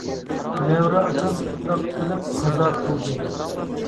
نەۋرە ئاكام شۇنداق قىلىپ قازا قىلدى.